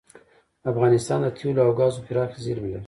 افغانستان د تیلو او ګازو پراخې زیرمې لري.